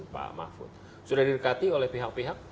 pak mahfud sudah didekati oleh pihak pihak